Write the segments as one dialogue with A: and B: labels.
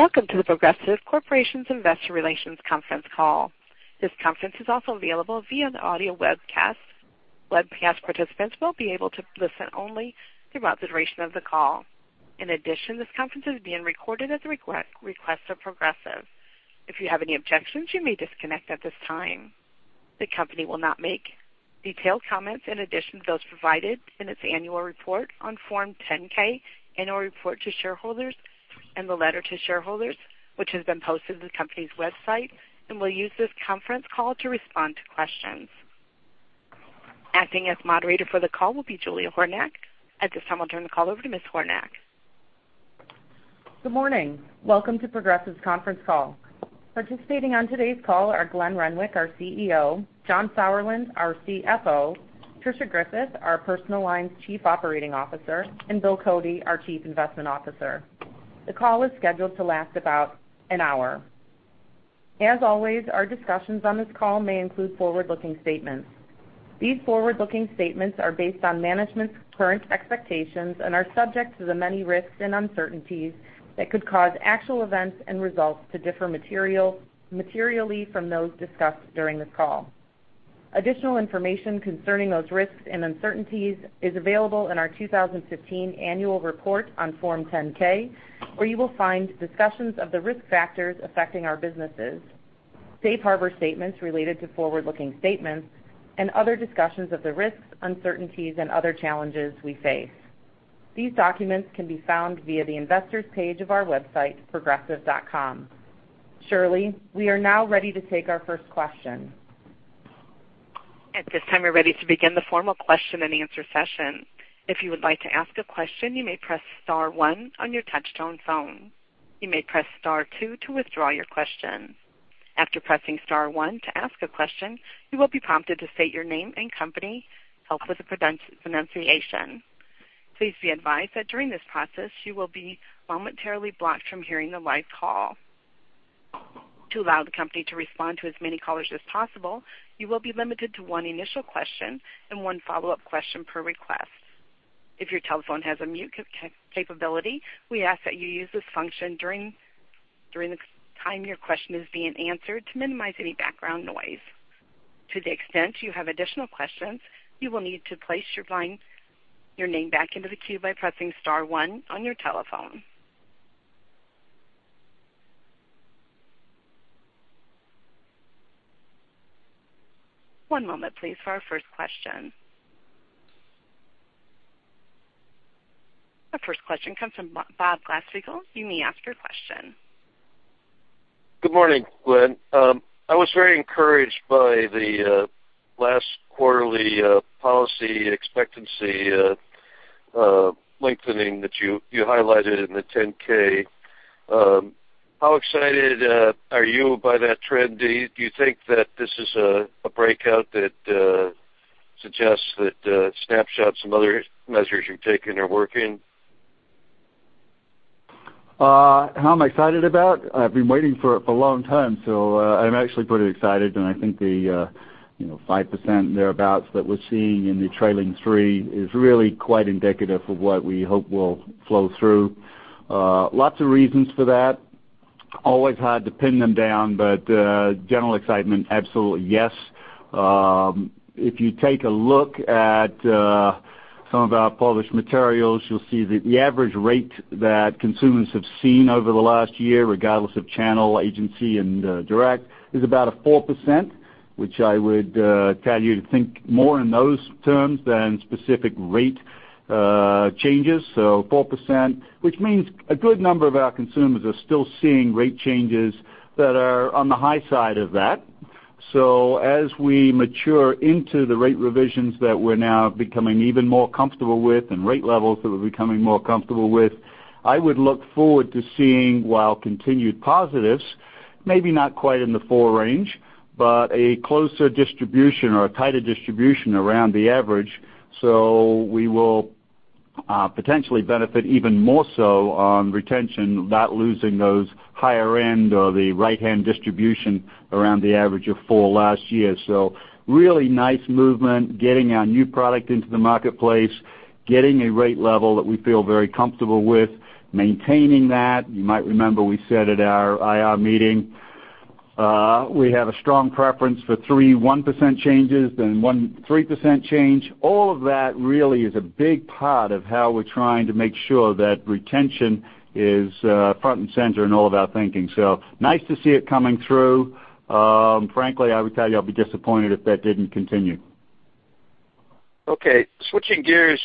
A: Welcome to The Progressive Corporation's Investor Relations conference call. This conference is also available via an audio webcast. Webcast participants will be able to listen only throughout the duration of the call. In addition, this conference is being recorded at the request of Progressive. If you have any objections, you may disconnect at this time. The company will not make detailed comments in addition to those provided in its annual report on Form 10-K, annual report to shareholders, and the letter to shareholders, which has been posted to the company's website, and will use this conference call to respond to questions. Acting as moderator for the call will be Julia Hornack. At this time, I'll turn the call over to Ms. Hornack.
B: Good morning. Welcome to Progressive's conference call. Participating on today's call are Glenn Renwick, our CEO, John Sauerland, our CFO, Tricia Griffith, our Personal Lines Chief Operating Officer, and William Cody, our Chief Investment Officer. The call is scheduled to last about an hour. As always, our discussions on this call may include forward-looking statements. These forward-looking statements are based on management's current expectations and are subject to the many risks and uncertainties that could cause actual events and results to differ materially from those discussed during this call. Additional information concerning those risks and uncertainties is available in our 2015 annual report on Form 10-K, where you will find discussions of the risk factors affecting our businesses, safe harbor statements related to forward-looking statements, and other discussions of the risks, uncertainties, and other challenges we face. These documents can be found via the investors page of our website, progressive.com. Shirley, we are now ready to take our first question.
A: At this time, we're ready to begin the formal question and answer session. If you would like to ask a question, you may press star one on your touchtone phone. You may press star two to withdraw your question. After pressing star one to ask a question, you will be prompted to state your name and company, help with the pronunciation. Please be advised that during this process, you will be momentarily blocked from hearing the live call. To allow the company to respond to as many callers as possible, you will be limited to one initial question and one follow-up question per request. If your telephone has a mute capability, we ask that you use this function during the time your question is being answered to minimize any background noise. To the extent you have additional questions, you will need to place your name back into the queue by pressing star one on your telephone. One moment please for our first question. Our first question comes from Bob Glasspiegel. You may ask your question.
C: Good morning, Glenn. I was very encouraged by the last quarterly policy expectancy lengthening that you highlighted in the 10-K. How excited are you by that trend? Do you think that this is a breakout that suggests that Snapshot and some other measures you're taking are working?
D: How am I excited about? I've been waiting for it for a long time, so I'm actually pretty excited. I think the 5% thereabouts that we're seeing in the trailing three is really quite indicative of what we hope will flow through. Lots of reasons for that. Always hard to pin them down, but general excitement, absolutely, yes. If you take a look at some of our published materials, you'll see that the average rate that consumers have seen over the last year, regardless of channel, agency, and direct, is about a 4%, which I would tell you to think more in those terms than specific rate changes. 4%, which means a good number of our consumers are still seeing rate changes that are on the high side of that. As we mature into the rate revisions that we're now becoming even more comfortable with and rate levels that we're becoming more comfortable with, I would look forward to seeing while continued positives, maybe not quite in the four range, but a closer distribution or a tighter distribution around the average. We will potentially benefit even more so on retention, not losing those higher end or the right-hand distribution around the average of four last year. Really nice movement, getting our new product into the marketplace, getting a rate level that we feel very comfortable with maintaining that. You might remember we said at our IR meeting, we have a strong preference for three 1% changes than one 3% change. All of that really is a big part of how we're trying to make sure that retention is front and center in all of our thinking. Nice to see it coming through. Frankly, I would tell you I'll be disappointed if that didn't continue.
C: Switching gears.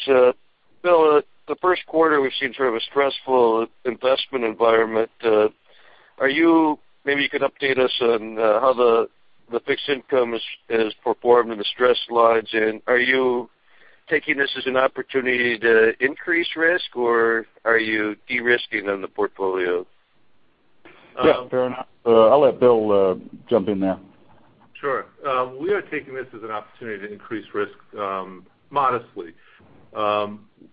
C: Bill, the first quarter we've seen sort of a stressful investment environment. Maybe you could update us on how the fixed income has performed in the stress slides. Are you taking this as an opportunity to increase risk, or are you de-risking on the portfolio?
D: Fair enough. I'll let Bill jump in there.
E: Sure. We are taking this as an opportunity to increase risk modestly.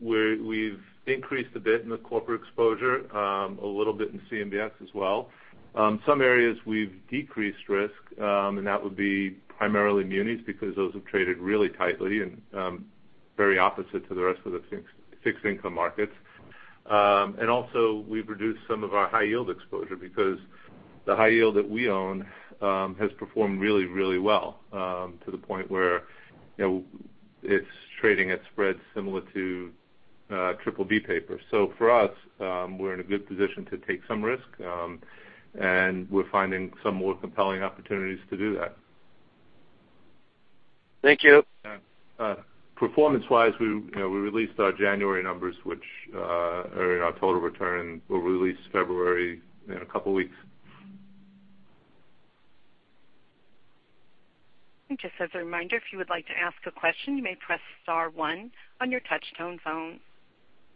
E: We've increased a bit in the corporate exposure, a little bit in CMBS as well. Some areas we've decreased risk, that would be primarily munis because those have traded really tightly. Very opposite to the rest of the fixed income markets. Also, we've reduced some of our high yield exposure because the high yield that we own has performed really, really well, to the point where it's trading at spreads similar to BBB paper. For us, we're in a good position to take some risk, and we're finding some more compelling opportunities to do that.
C: Thank you.
D: Yeah. Performance-wise, we released our January numbers, which are in our total return. We'll release February in a couple of weeks.
A: Just as a reminder, if you would like to ask a question, you may press star one on your touch-tone phone.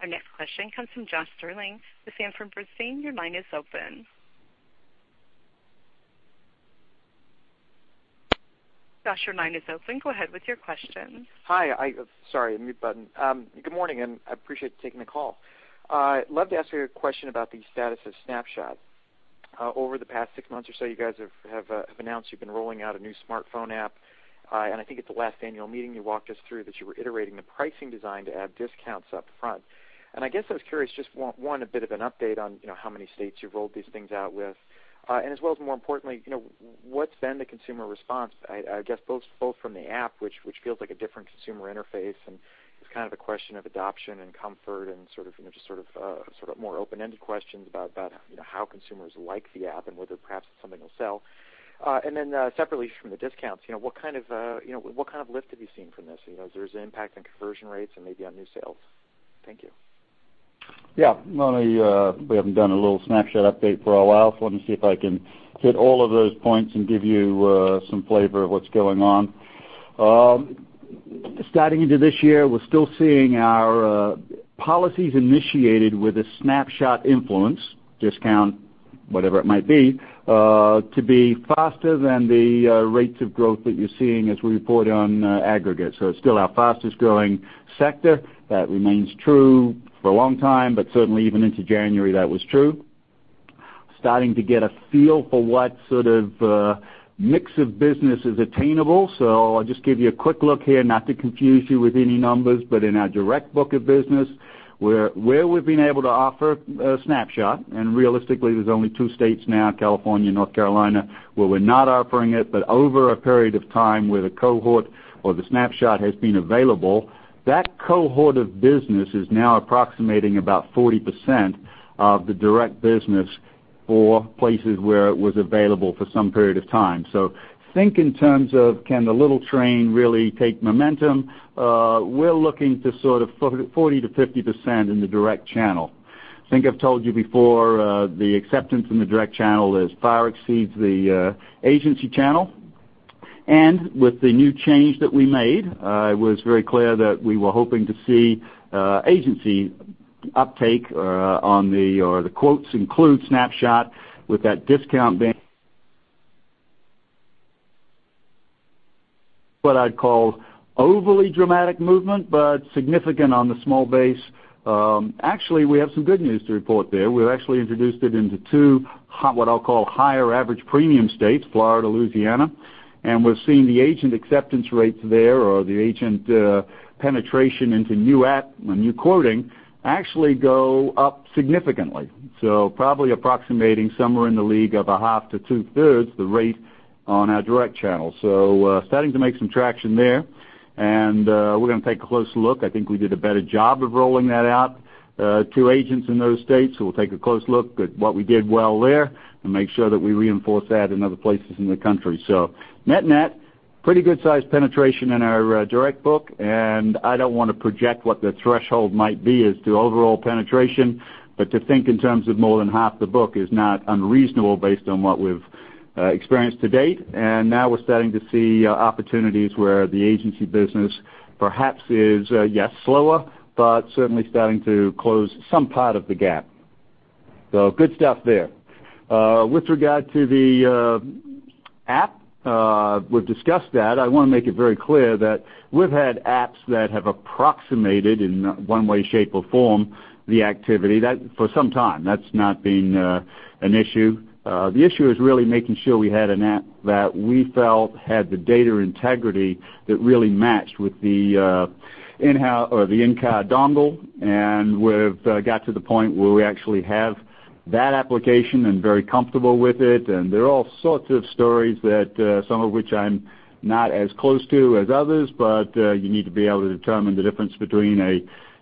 A: Our next question comes from Josh Stirling with Sanford Bernstein. Your line is open. Josh, your line is open. Go ahead with your question.
F: Hi. Sorry, mute button. Good morning. I appreciate you taking the call. Love to ask you a question about the status of Snapshot. Over the past six months or so, you guys have announced you've been rolling out a new smartphone app. I think at the last annual meeting, you walked us through that you were iterating the pricing design to add discounts up front. I guess I was curious, just want a bit of an update on how many states you've rolled these things out with. As well as more importantly, what's been the consumer response, I guess both from the app, which feels like a different consumer interface, and it's kind of a question of adoption and comfort and sort of more open-ended questions about how consumers like the app and whether perhaps it's something you'll sell. Separately from the discounts, what kind of lift have you seen from this? Is there an impact on conversion rates and maybe on new sales? Thank you.
D: Yeah. We haven't done a little Snapshot update for a while. Let me see if I can hit all of those points and give you some flavor of what's going on. Starting into this year, we're still seeing our policies initiated with a Snapshot influence discount, whatever it might be, to be faster than the rates of growth that you're seeing as we report on aggregate. It's still our fastest growing sector. That remains true for a long time, certainly even into January, that was true. Starting to get a feel for what sort of mix of business is attainable. I'll just give you a quick look here, not to confuse you with any numbers, in our direct book of business, where we've been able to offer Snapshot, and realistically, there's only two states now, California and North Carolina, where we're not offering it, but over a period of time where the cohort or the Snapshot has been available, that cohort of business is now approximating about 40% of the direct business for places where it was available for some period of time. Think in terms of can the little train really take momentum? We're looking to sort of 40%-50% in the direct channel. I think I've told you before, the acceptance in the direct channel far exceeds the agency channel. With the new change that we made, it was very clear that we were hoping to see agency uptake on the quotes include Snapshot with that discount what I'd call overly dramatic movement, but significant on the small base. Actually, we have some good news to report there. We've actually introduced it into two, what I'll call higher average premium states, Florida, Louisiana, and we're seeing the agent acceptance rates there or the agent penetration into new quoting actually go up significantly. Probably approximating somewhere in the league of a half to two-thirds the rate on our direct channel. Starting to make some traction there, and we're going to take a close look. I think we did a better job of rolling that out to agents in those states. We'll take a close look at what we did well there and make sure that we reinforce that in other places in the country. Net-net, pretty good size penetration in our direct book, and I don't want to project what the threshold might be as to overall penetration. But to think in terms of more than half the book is not unreasonable based on what we've experienced to date. Now we're starting to see opportunities where the agency business perhaps is, yes, slower, but certainly starting to close some part of the gap. Good stuff there. With regard to the app, we've discussed that. I want to make it very clear that we've had apps that have approximated in one way, shape, or form the activity for some time. That's not been an issue. The issue is really making sure we had an app that we felt had the data integrity that really matched with the in-car dongle. We've got to the point where we actually have that application and very comfortable with it. There are all sorts of stories that some of which I'm not as close to as others, but you need to be able to determine the difference between a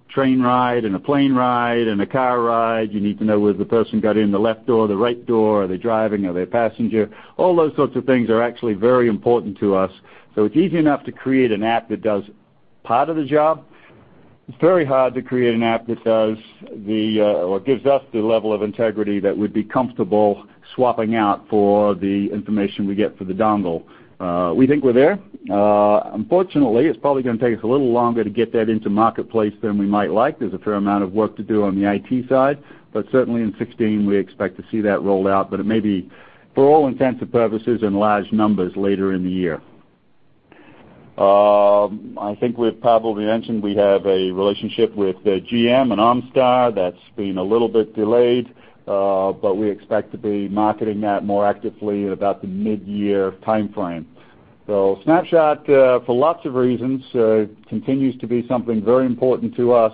D: train ride and a plane ride and a car ride. You need to know whether the person got in the left door or the right door. Are they driving? Are they a passenger? All those sorts of things are actually very important to us. It's easy enough to create an app that does part of the job. It's very hard to create an app that gives us the level of integrity that we'd be comfortable swapping out for the information we get for the dongle. We think we're there. Unfortunately, it's probably going to take us a little longer to get that into marketplace than we might like. There's a fair amount of work to do on the IT side, but certainly in 2016, we expect to see that rolled out, but it may be, for all intents and purposes, in large numbers later in the year. I think we've probably mentioned we have a relationship with GM and OnStar that's been a little bit delayed, but we expect to be marketing that more actively at about the mid-year timeframe. Snapshot, for lots of reasons, continues to be something very important to us,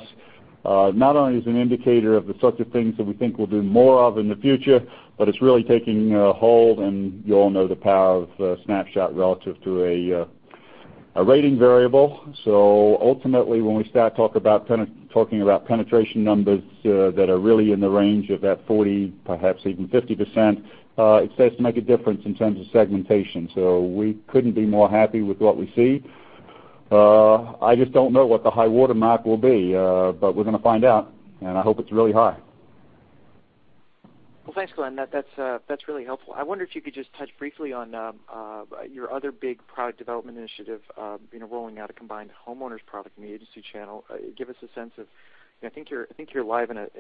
D: not only as an indicator of the sorts of things that we think we'll do more of in the future, but it's really taking hold, and you all know the power of Snapshot relative to a rating variable. Ultimately, when we start talking about penetration numbers that are really in the range of that 40%, perhaps even 50%, it starts to make a difference in terms of segmentation. We couldn't be more happy with what we see. I just don't know what the high water mark will be. We're going to find out, and I hope it's really high.
F: Well, thanks, Glenn. That's really helpful. I wonder if you could just touch briefly on your other big product development initiative, rolling out a combined homeowners product in the agency channel. Give us a sense of. I think you're live at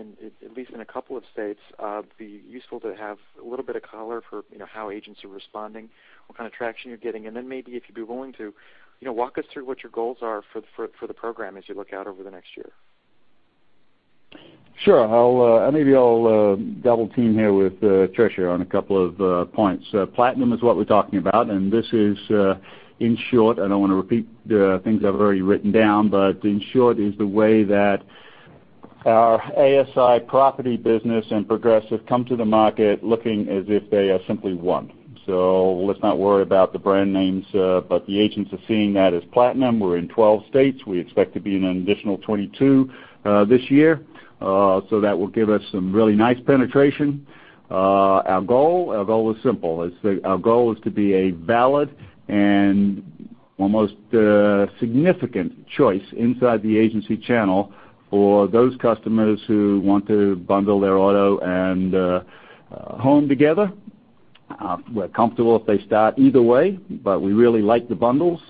F: least in a couple of states. It'd be useful to have a little bit of color for how agents are responding, what kind of traction you're getting, and then maybe if you'd be willing to walk us through what your goals are for the program as you look out over the next year.
D: Sure. Maybe I'll double team here with Tricia on a couple of points. Platinum is what we're talking about, this is, in short, I don't want to repeat things I've already written down, is the way that our ASI property business and Progressive come to the market looking as if they are simply one. Let's not worry about the brand names, the agents are seeing that as Platinum. We're in 12 states. We expect to be in an additional 22 this year. That will give us some really nice penetration. Our goal is simple. Our goal is to be a valid and almost significant choice inside the agency channel for those customers who want to bundle their auto and home together. We're comfortable if they start either way, we really like the bundles.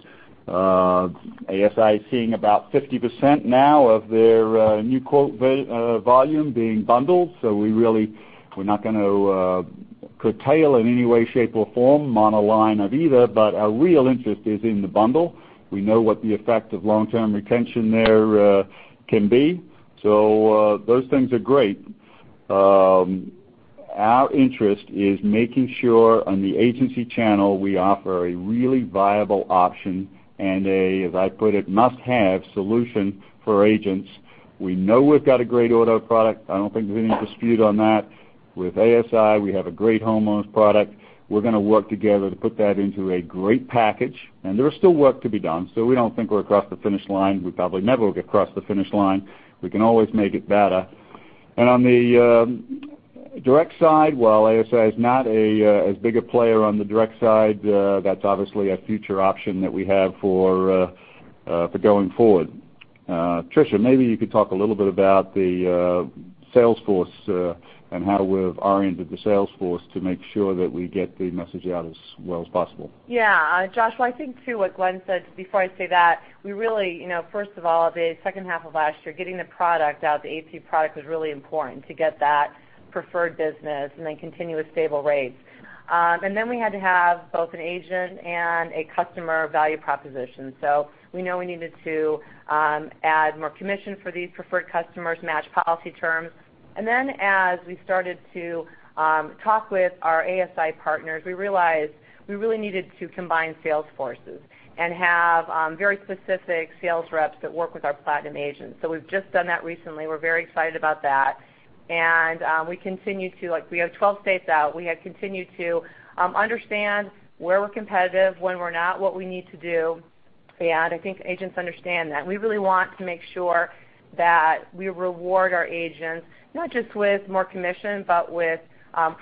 D: ASI is seeing about 50% now of their new quote volume being bundled. We're not going to curtail in any way, shape, or form monoline of either, our real interest is in the bundle. We know what the effect of long-term retention there can be. Those things are great. Our interest is making sure on the agency channel, we offer a really viable option and a, as I put it, must-have solution for agents. We know we've got a great auto product. I don't think there's any dispute on that. With ASI, we have a great homeowners product. We're going to work together to put that into a great package, there is still work to be done. We don't think we're across the finish line. We probably never will get across the finish line. We can always make it better. On the direct side, while ASI is not as big a player on the direct side, that's obviously a future option that we have for going forward. Tricia, maybe you could talk a little bit about the sales force and how we've oriented the sales force to make sure that we get the message out as well as possible.
G: Josh, well, I think too, what Glenn said before I say that, we really, first of all, the second half of last year, getting the product out, the ASI product out was really important to get that preferred business. Then continue with stable rates. Then we had to have both an agent and a customer value proposition. We know we needed to add more commission for these preferred customers, match policy terms. Then as we started to talk with our ASI partners, we realized we really needed to combine sales forces and have very specific sales reps that work with our Platinum agents. We've just done that recently. We're very excited about that. We have 12 states out. We have continued to understand where we're competitive, when we're not, what we need to do to add. I think agents understand that. We really want to make sure that we reward our agents not just with more commission, but with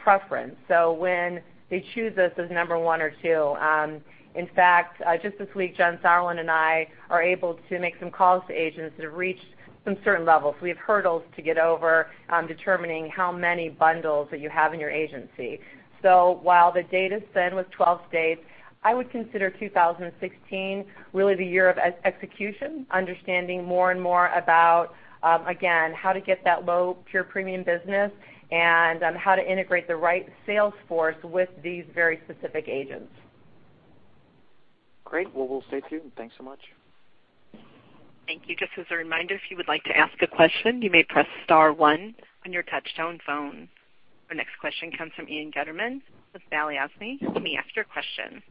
G: preference. When they choose us as number 1 or 2. In fact, just this week, John Sauerland and I are able to make some calls to agents that have reached some certain levels. We have hurdles to get over determining how many bundles that you have in your agency. While the data is thin with 12 states, I would consider 2016 really the year of execution, understanding more and more about, again, how to get that low pure premium business, and how to integrate the right sales force with these very specific agents.
F: Great. Well, we'll stay tuned. Thanks so much.
A: Thank you. Just as a reminder, if you would like to ask a question, you may press star one on your touchtone phone. Our next question comes from Ian Gutterman with Balyasny Asset Management. You may ask your question.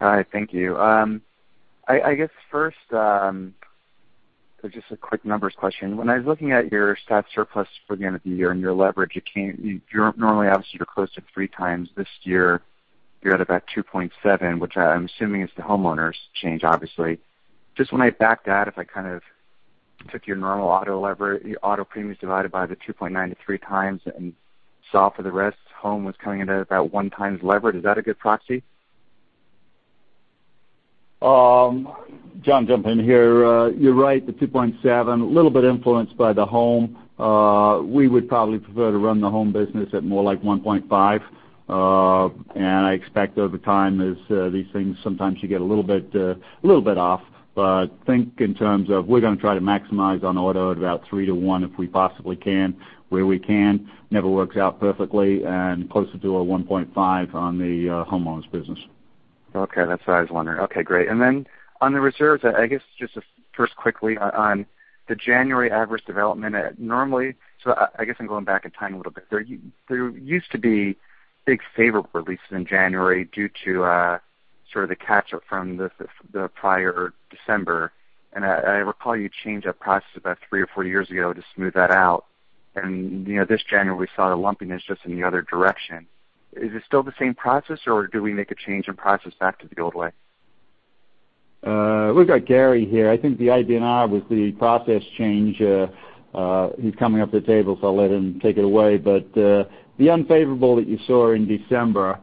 H: All right. Thank you. I guess first, just a quick numbers question. When I was looking at your stat surplus for the end of the year and your leverage, you're normally obviously close to three times. This year, you're at about 2.7, which I'm assuming is the homeowners change, obviously. Just when I backed that, if I kind of took your normal auto premiums divided by the 2.9 to three times and solved for the rest, home was coming in at about one times leverage. Is that a good proxy?
D: John, jump in here. You're right, the 2.7, a little bit influenced by the home. We would probably prefer to run the home business at more like 1.5. I expect over time as these things sometimes you get a little bit off. But think in terms of we're going to try to maximize on auto at about three to one if we possibly can, where we can. Never works out perfectly, and closer to a 1.5 on the homeowners business.
H: Okay, that's what I was wondering. Okay, great. Then on the reserves, I guess just first quickly on the January adverse development, normally, so I guess I'm going back in time a little bit. There used to be big favorable releases in January due to Sort of the catch up from the prior December. I recall you changed that process about three or four years ago to smooth that out. This January, we saw the lumpiness just in the other direction. Is it still the same process, or did we make a change in process back to the old way?
D: We've got Gary here. I think the idea now with the process change, he's coming up to the table. I'll let him take it away. The unfavorable that you saw in December,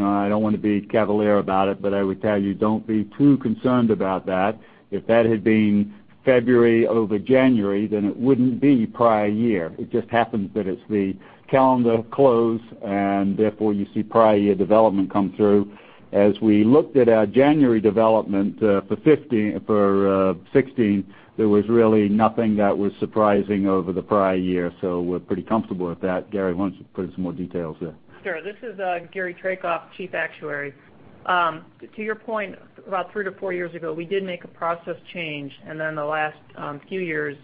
D: I don't want to be cavalier about it, but I would tell you, don't be too concerned about that. If that had been February over January, then it wouldn't be prior year. It just happens that it's the calendar close, and therefore, you see prior year development come through. As we looked at our January development for 2016, there was really nothing that was surprising over the prior year. We're pretty comfortable with that. Gary, why don't you put in some more details there?
I: Sure. This is Gary Traicoff, Chief Actuary. To your point, about three to four years ago, we did make a process change. The last few years,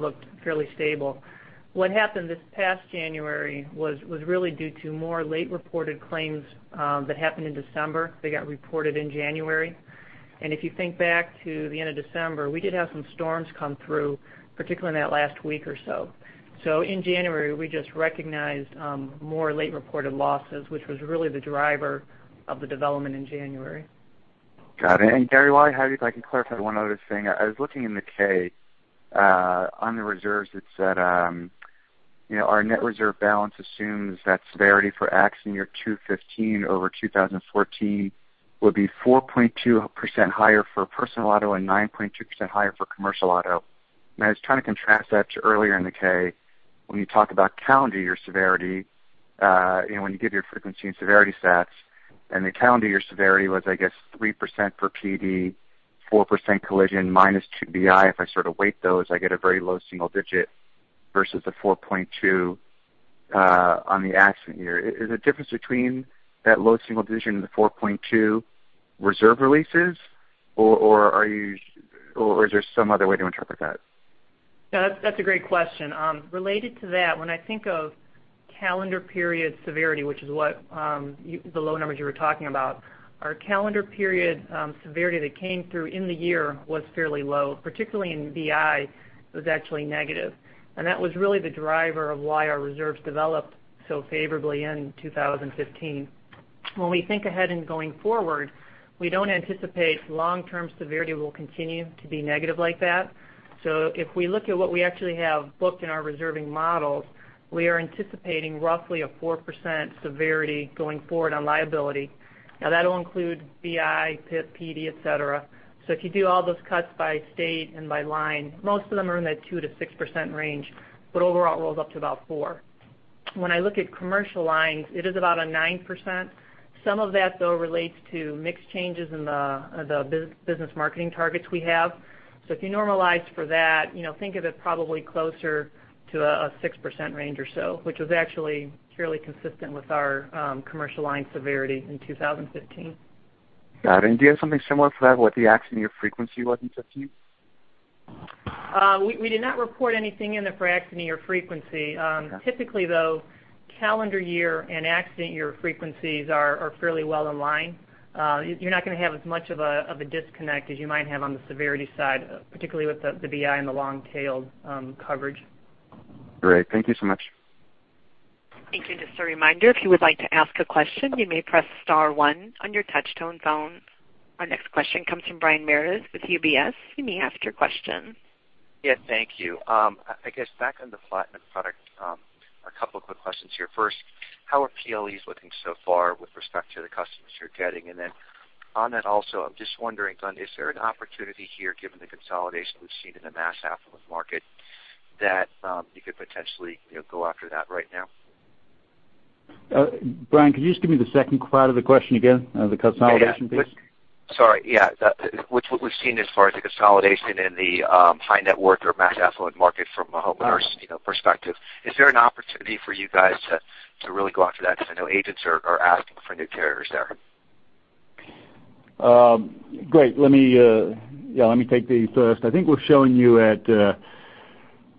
I: looked fairly stable. What happened this past January was really due to more late-reported claims that happened in December. They got reported in January. If you think back to the end of December, we did have some storms come through, particularly in that last week or so. In January, we just recognized more late-reported losses, which was really the driver of the development in January.
H: Got it. Gary, while I have you, if I could clarify one other thing. I was looking in the K, on the reserves, it said our net reserve balance assumes that severity for accident year 2015 over 2014 will be 4.2% higher for personal auto and 9.2% higher for commercial auto. I was trying to contrast that to earlier in the K when you talk about calendar year severity when you give your frequency and severity stats, and the calendar year severity was, I guess, 3% for PD, 4% collision, minus BI. If I sort of weight those, I get a very low single digit versus the 4.2% on the accident year. Is the difference between that low single digit and the 4.2% reserve releases, or is there some other way to interpret that?
I: That's a great question. Related to that, when I think of calendar period severity, which is the low numbers you were talking about, our calendar period severity that came through in the year was fairly low. Particularly in BI, it was actually negative. That was really the driver of why our reserves developed so favorably in 2015. When we think ahead and going forward, we don't anticipate long-term severity will continue to be negative like that. If we look at what we actually have booked in our reserving models, we are anticipating roughly a 4% severity going forward on liability. Now, that'll include BI, PIP, PD, et cetera. If you do all those cuts by state and by line, most of them are in that 2%-6% range, but overall it rolls up to about 4%. When I look at commercial lines, it is about a 9%. Some of that, though, relates to mix changes in the business marketing targets we have. If you normalize for that, think of it probably closer to a 6% range or so, which was actually fairly consistent with our commercial line severity in 2015.
H: Got it. Do you have something similar for that, what the accident year frequency was in 2015?
I: We did not report anything in there for accident year frequency.
H: Okay.
I: Typically, though, calendar year and accident year frequencies are fairly well aligned. You're not going to have as much of a disconnect as you might have on the severity side, particularly with the BI and the long-tailed coverage.
H: Great. Thank you so much.
A: Thank you. Just a reminder, if you would like to ask a question, you may press *1 on your touch-tone phone. Our next question comes from Brian Meredith with UBS. You may ask your question.
J: Thank you. I guess back on the Platinum product, a couple quick questions here. First, how are PLEs looking so far with respect to the customers you're getting? On that also, I'm just wondering, Glenn, is there an opportunity here given the consolidation we've seen in the mass affluent market that you could potentially go after that right now?
D: Brian, could you just give me the second part of the question again? The consolidation piece.
J: Sorry. Yeah. What we've seen as far as the consolidation in the high net worth or mass affluent market from a homeowners perspective. Is there an opportunity for you guys to really go after that? Because I know agents are asking for new carriers there.
D: Great. Let me take the first. I think we're showing you at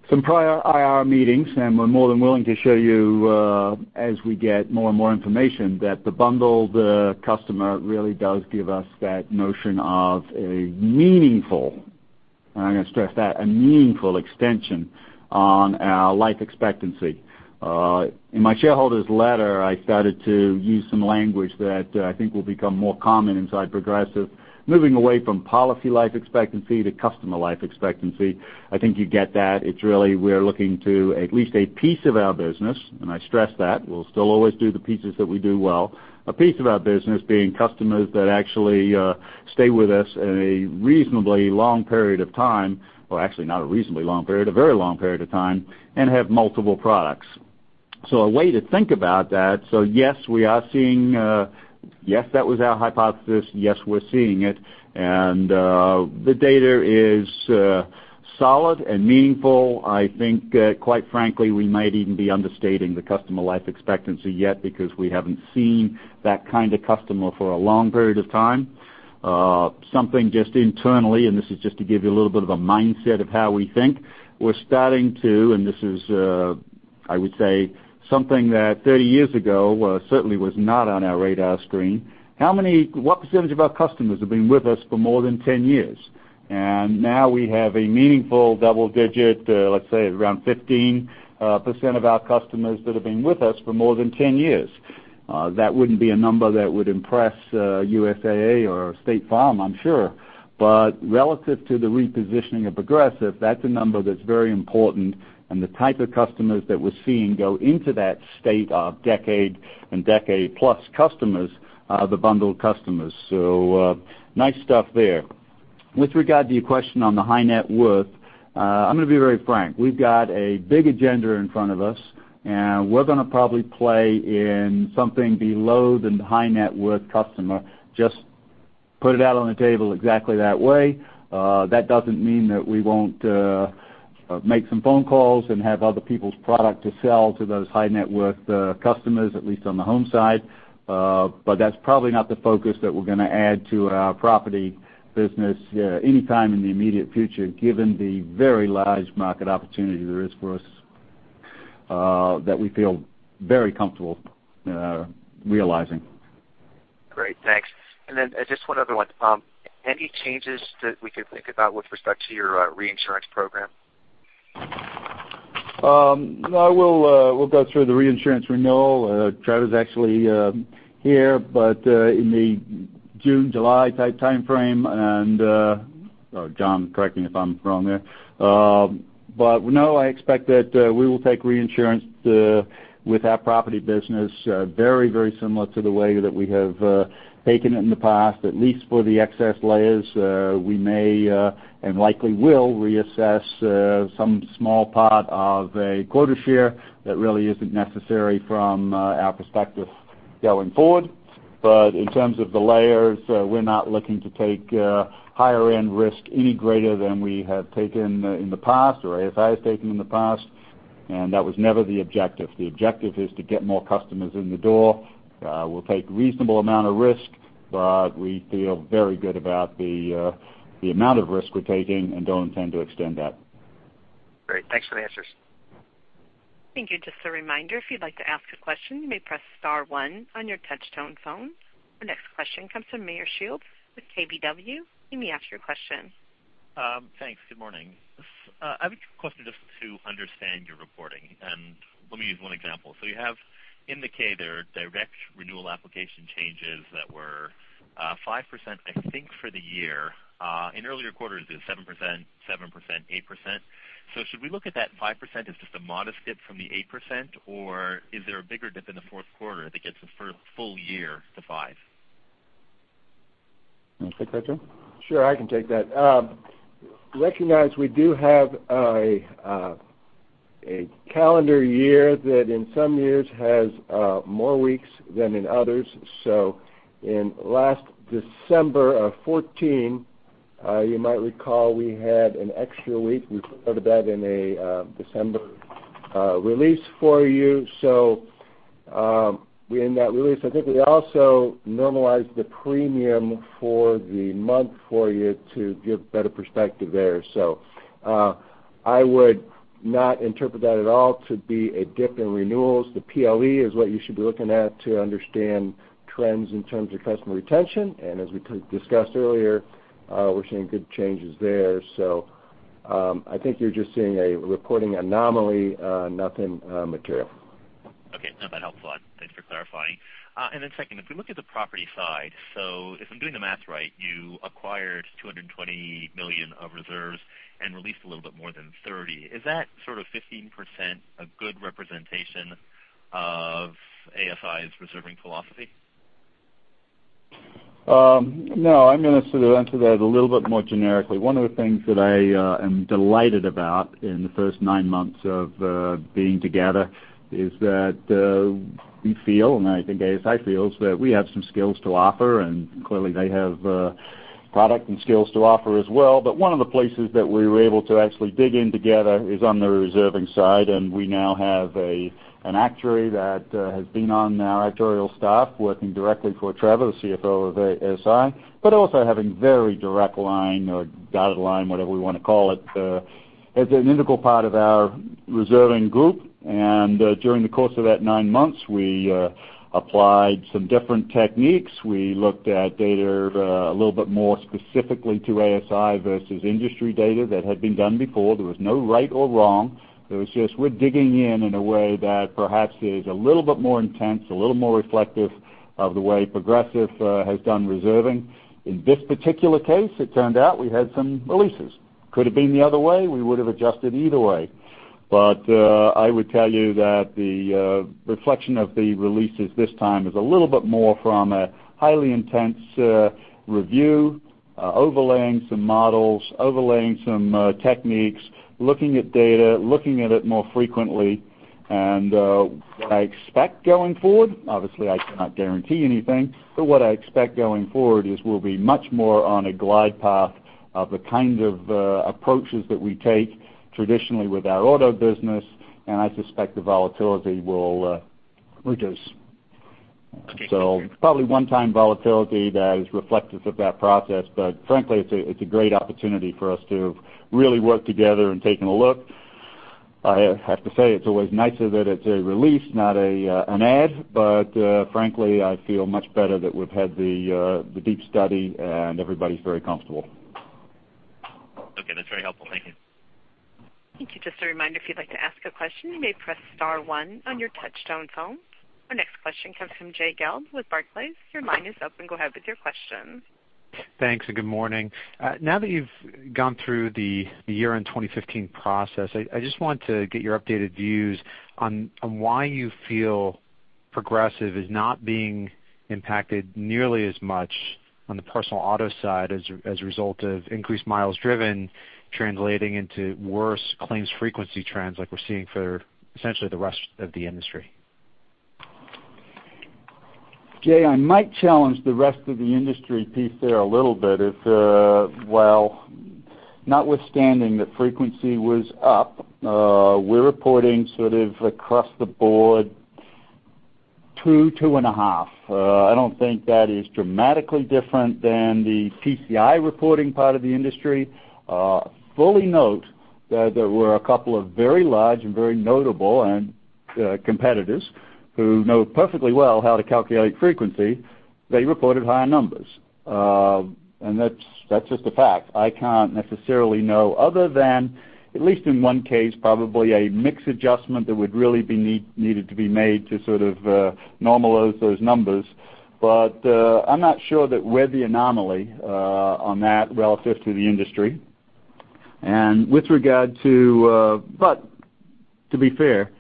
D: some prior IR meetings, and we're more than willing to show you as we get more and more information, that the bundled customer really does give us that notion of a meaningful, and I'm going to stress that, a meaningful extension on our life expectancy. In my shareholders' letter, I started to use some language that I think will become more common inside Progressive, moving away from policy life expectancy to customer life expectancy. I think you get that. It's really we're looking to at least a piece of our business, and I stress that we'll still always do the pieces that we do well, a piece of our business being customers that actually stay with us a reasonably long period of time, or actually not a reasonably long period, a very long period of time, and have multiple products. A way to think about that, yes, that was our hypothesis. Yes, we're seeing it. The data is solid and meaningful. I think quite frankly, we might even be understating the customer life expectancy yet because we haven't seen that kind of customer for a long period of time. Something just internally, and this is just to give you a little bit of a mindset of how we think. We're starting to, and this is, I would say something that 30 years ago, certainly was not on our radar screen. What percentage of our customers have been with us for more than 10 years? Now we have a meaningful double digit, let's say around 15% of our customers that have been with us for more than 10 years. That wouldn't be a number that would impress USAA or State Farm, I'm sure. Relative to the repositioning of Progressive, that's a number that's very important and the type of customers that we're seeing go into that state of decade and decade-plus customers are the bundled customers. Nice stuff there. With regard to your question on the high net worth, I'm going to be very frank. We've got a big agenda in front of us, we're going to probably play in something below the high net worth customer, just put it out on the table exactly that way. That doesn't mean that we won't make some phone calls and have other people's product to sell to those high net worth customers, at least on the home side. That's probably not the focus that we're going to add to our property business anytime in the immediate future, given the very large market opportunity there is for us, that we feel very comfortable realizing.
J: Great. Thanks. Then just one other one. Any changes that we could think about with respect to your reinsurance program?
D: We'll go through the reinsurance renewal. Trevor's actually here, but in the June, July timeframe, and John, correct me if I'm wrong there. No, I expect that we will take reinsurance with our property business very similar to the way that we have taken it in the past, at least for the excess layers. We may, and likely will, reassess some small part of a quota share that really isn't necessary from our perspective going forward. In terms of the layers, we're not looking to take higher end risk any greater than we have taken in the past or ASI has taken in the past. That was never the objective. The objective is to get more customers in the door. We'll take reasonable amount of risk, but we feel very good about the amount of risk we're taking and don't intend to extend that.
J: Great. Thanks for the answers.
A: Thank you. Just a reminder, if you'd like to ask a question, you may press star one on your touch-tone phone. The next question comes from Meyer Shields with KBW. You may ask your question.
K: Thanks. Good morning. I have a question just to understand your reporting, and let me use one example. You have indicated direct renewal application changes that were 5%, I think for the year. In earlier quarters, it was 7%, 7%, 8%. Should we look at that 5% as just a modest dip from the 8%, or is there a bigger dip in the fourth quarter that gets the full year to five?
D: You want to take that, Trevor?
L: Sure, I can take that. Recognize we do have a calendar year that in some years has more weeks than in others. In last December of 2014, you might recall we had an extra week. We put that in a December release for you. In that release, I think we also normalized the premium for the month for you to give better perspective there. I would not interpret that at all to be a dip in renewals. The PLE is what you should be looking at to understand trends in terms of customer retention. As we discussed earlier, we're seeing good changes there. I think you're just seeing a reporting anomaly, nothing material.
K: Okay. No, that helps a lot. Thanks for clarifying. Second, if we look at the property side, if I'm doing the math right, you acquired $220 million of reserves and released a little bit more than $30 million. Is that sort of 15% a good representation of ASI's reserving philosophy?
D: No, I'm going to sort of answer that a little bit more generically. One of the things that I am delighted about in the first nine months of being together is that we feel, and I think ASI feels, that we have some skills to offer, and clearly, they have product and skills to offer as well. One of the places that we were able to actually dig in together is on the reserving side, and we now have an actuary that has been on our actuarial staff working directly for Trevor, the CFO of ASI, but also having very direct line or dotted line, whatever we want to call it as an integral part of our reserving group. During the course of that nine months, we applied some different techniques. We looked at data a little bit more specifically to ASI versus industry data that had been done before. There was no right or wrong. There was just, we're digging in in a way that perhaps is a little bit more intense, a little more reflective of the way Progressive has done reserving. In this particular case, it turned out we had some releases. Could have been the other way, we would have adjusted either way. I would tell you that the reflection of the releases this time is a little bit more from a highly intense review overlaying some models, overlaying some techniques, looking at data, looking at it more frequently. What I expect going forward, obviously I cannot guarantee anything, what I expect going forward is we'll be much more on a glide path of the kind of approaches that we take traditionally with our auto business, I suspect the volatility will reduce. Probably one-time volatility that is reflective of that process. Frankly, it's a great opportunity for us to really work together in taking a look. I have to say, it's always nicer that it's a release, not an add, but frankly, I feel much better that we've had the deep study and everybody's very comfortable.
K: Okay. That's very helpful. Thank you.
A: Thank you. Just a reminder, if you'd like to ask a question, you may press star one on your touchtone phone. Our next question comes from Jay Gelb with Barclays. Your line is open. Go ahead with your question.
M: Thanks. Good morning. Now that you've gone through the year-end 2015 process, I just want to get your updated views on why you feel Progressive is not being impacted nearly as much on the personal auto side as a result of increased miles driven translating into worse claims frequency trends like we're seeing for essentially the rest of the industry.
D: Jay, I might challenge the rest of the industry piece there a little bit. Well, notwithstanding that frequency was up, we're reporting sort of across the board, two and a half. I don't think that is dramatically different than the PCI reporting part of the industry. Fully note that there were a couple of very large and very notable competitors who know perfectly well how to calculate frequency. They reported higher numbers. That's just a fact. I can't necessarily know, other than, at least in one case, probably a mix adjustment that would really be needed to be made to sort of normalize those numbers. I'm not sure that we're the anomaly on that relative to the industry. To be fair,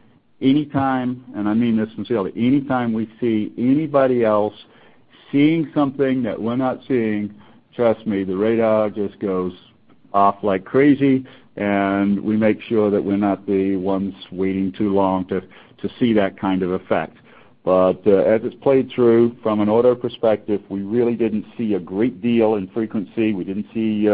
D: anytime, and I mean this sincerely, anytime we see anybody else seeing something that we're not seeing, trust me, the radar just goes off like crazy, and we make sure that we're not the ones waiting too long to see that kind of effect. As it's played through from an auto perspective, we really didn't see a great deal in frequency. We didn't see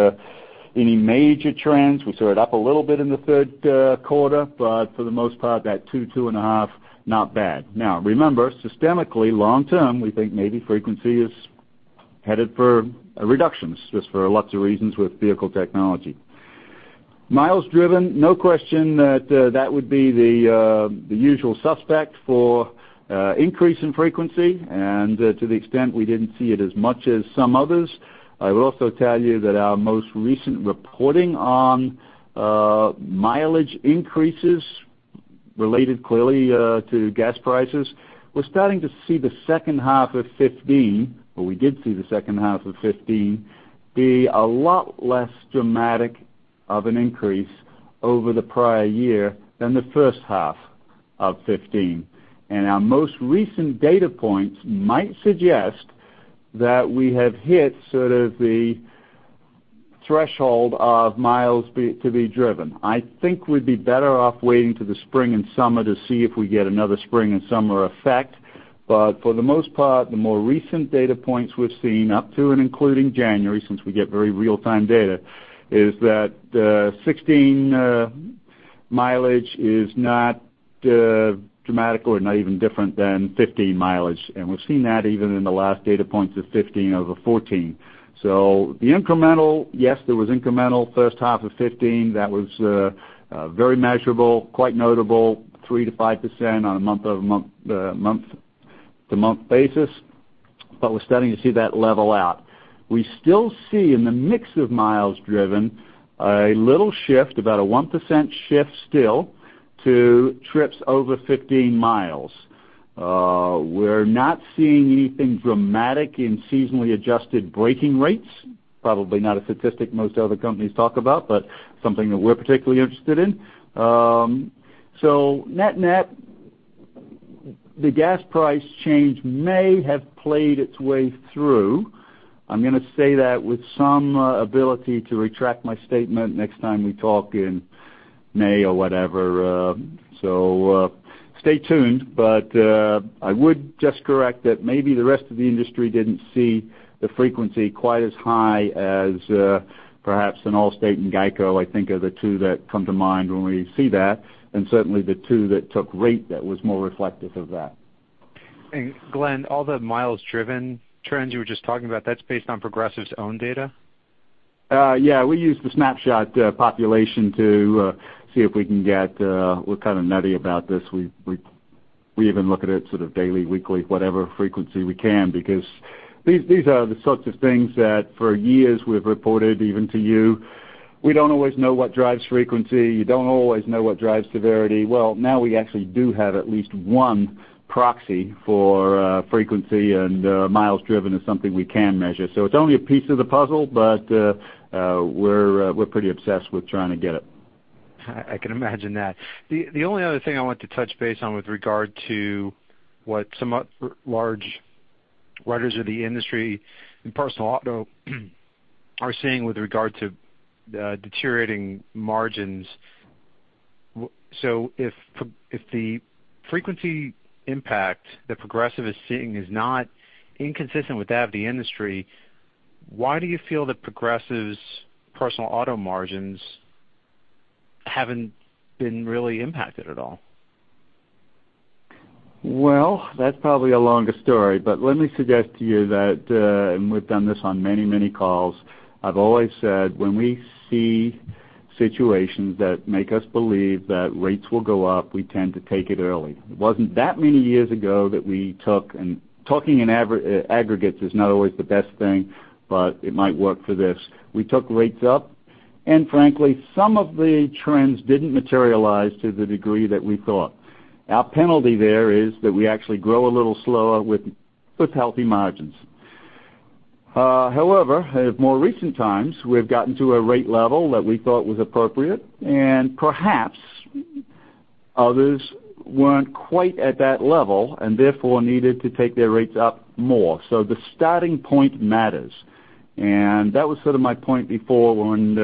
D: any major trends. We saw it up a little bit in the third quarter, but for the most part, that two and a half, not bad. Remember, systemically long term, we think maybe frequency is headed for a reduction, just for lots of reasons with vehicle technology. Miles driven, no question that that would be the usual suspect for increase in frequency. To the extent we didn't see it as much as some others, I will also tell you that our most recent reporting on mileage increases related clearly to gas prices. We're starting to see the second half of 2015 be a lot less dramatic of an increase over the prior year than the first half of 2015. Our most recent data points might suggest that we have hit sort of the threshold of miles to be driven. I think we'd be better off waiting till the spring and summer to see if we get another spring and summer effect. For the most part, the more recent data points we've seen up to and including January, since we get very real time data, is that the 2016 mileage is not dramatic or not even different than 2015 mileage. We've seen that even in the last data points of 2015 over 2014. The incremental, yes, there was incremental first half of 2015. That was very measurable, quite notable, 3%-5% on a month-over-month basis. We're starting to see that level out. We still see in the mix of miles driven a little shift, about a 1% shift still, to trips over 15 miles. We're not seeing anything dramatic in seasonally adjusted braking rates. Probably not a statistic most other companies talk about, but something that we're particularly interested in. Net-net, the gas price change may have played its way through. I'm going to say that with some ability to retract my statement next time we talk in May or whatever. Stay tuned. I would just correct that maybe the rest of the industry didn't see the frequency quite as high as perhaps in Allstate and GEICO, I think are the two that come to mind when we see that, and certainly the two that took rate that was more reflective of that.
M: Glenn, all the miles driven trends you were just talking about, that's based on Progressive's own data?
D: Yeah, we use the Snapshot population to see if we can get. We're kind of nutty about this. We even look at it sort of daily, weekly, whatever frequency we can, because these are the sorts of things that for years we've reported even to you. We don't always know what drives frequency. You don't always know what drives severity. Well, now we actually do have at least one proxy for frequency, and miles driven is something we can measure. It's only a piece of the puzzle, but we're pretty obsessed with trying to get it.
M: I can imagine that. The only other thing I wanted to touch base on with regard to what some large writers of the industry in personal auto are seeing with regard to deteriorating margins. If the frequency impact that Progressive is seeing is not inconsistent with that of the industry, why do you feel that Progressive's personal auto margins Haven't been really impacted at all.
D: Well, that's probably a longer story, but let me suggest to you that, we've done this on many, many calls, I've always said, when we see situations that make us believe that rates will go up, we tend to take it early. It wasn't that many years ago that we took, talking in aggregates is not always the best thing, but it might work for this. We took rates up, frankly, some of the trends didn't materialize to the degree that we thought. Our penalty there is that we actually grow a little slower with healthy margins. However, at more recent times, we've gotten to a rate level that we thought was appropriate, perhaps others weren't quite at that level and therefore needed to take their rates up more. The starting point matters, that was sort of my point before when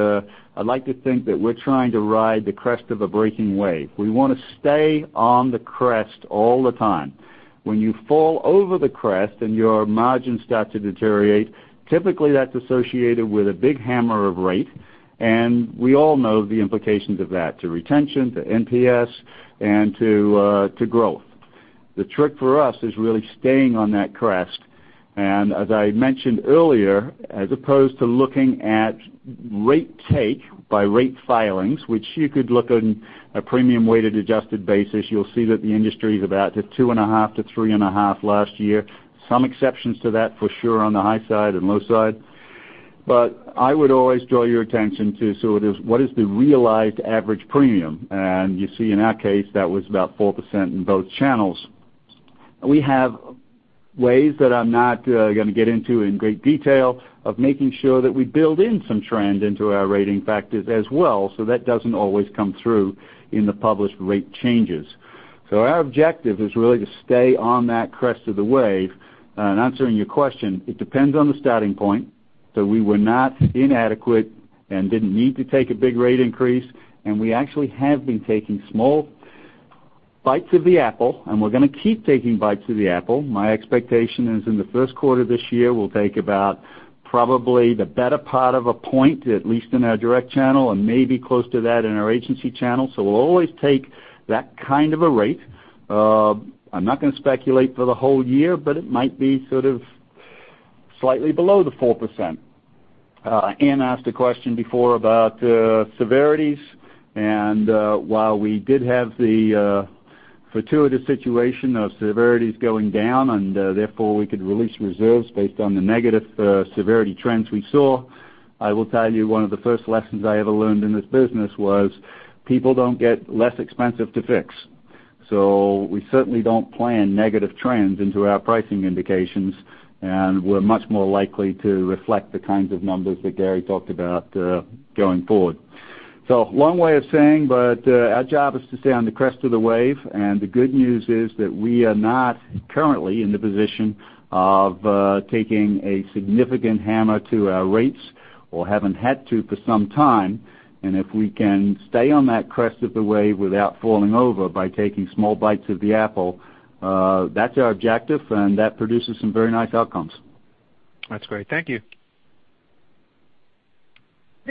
D: I'd like to think that we're trying to ride the crest of a breaking wave. We want to stay on the crest all the time. When you fall over the crest and your margins start to deteriorate, typically that's associated with a big hammer of rate, and we all know the implications of that, to retention, to NPS, and to growth. The trick for us is really staying on that crest. As I mentioned earlier, as opposed to looking at rate take by rate filings, which you could look on a premium-weighted adjusted basis, you'll see that the industry is about two and a half to three and a half last year. Some exceptions to that for sure on the high side and low side. I would always draw your attention to sort of what is the realized average premium. You see in our case, that was about 4% in both channels. We have ways that I'm not going to get into in great detail of making sure that we build in some trend into our rating factors as well, so that doesn't always come through in the published rate changes. Our objective is really to stay on that crest of the wave. Answering your question, it depends on the starting point, we were not inadequate and didn't need to take a big rate increase, and we actually have been taking small bites of the apple, and we're going to keep taking bites of the apple. My expectation is in the first quarter this year, we'll take about probably the better part of a point, at least in our direct channel and maybe close to that in our agency channel. We'll always take that kind of a rate. I'm not going to speculate for the whole year, but it might be sort of slightly below the 4%. Ian asked a question before about severities, and while we did have the fortuitous situation of severities going down, and therefore we could release reserves based on the negative severity trends we saw, I will tell you one of the first lessons I ever learned in this business was people don't get less expensive to fix. We certainly don't plan negative trends into our pricing indications, and we're much more likely to reflect the kinds of numbers that Gary talked about going forward. Long way of saying, our job is to stay on the crest of the wave, and the good news is that we are not currently in the position of taking a significant hammer to our rates or haven't had to for some time. If we can stay on that crest of the wave without falling over by taking small bites of the apple, that's our objective, and that produces some very nice outcomes.
M: That's great. Thank you.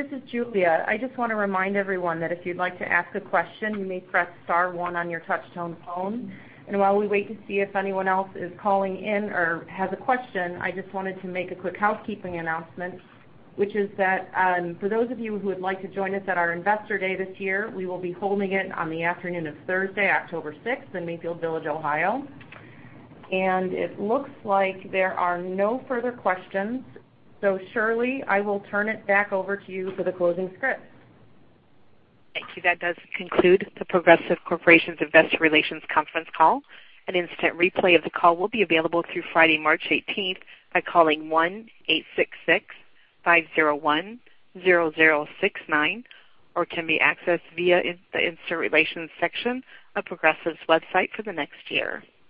B: This is Julia. I just want to remind everyone that if you'd like to ask a question, you may press star one on your touch-tone phone. While we wait to see if anyone else is calling in or has a question, I just wanted to make a quick housekeeping announcement, which is that for those of you who would like to join us at our Investor Day this year, we will be holding it on the afternoon of Thursday, October 6th in Mayfield Village, Ohio. It looks like there are no further questions. Shirley, I will turn it back over to you for the closing script.
A: Thank you. That does conclude The Progressive Corporation's Investor Relations conference call. An instant replay of the call will be available through Friday, March 18th by calling 1-866-501-0069 or can be accessed via the investor relations section of Progressive's website for the next year.